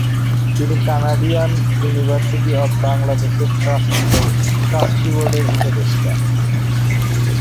তিনি Canadian university of বাংলাদেশ-এর trustee বোর্ডের উপদেষ্টা।